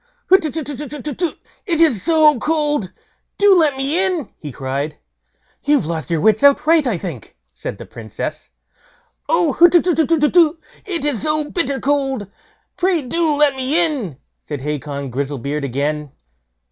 "Hutetutetutetu! it is so cold; do let me in", he cried. "You've lost your wits outright, I think", said the Princess. "Oh, hutetutetutetu! it is so bitter cold, pray do let me in", said Hacon Grizzlebeard again.